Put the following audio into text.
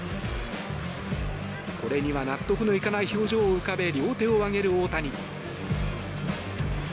これには納得のいかない表情を浮かべ両手を上げる大谷。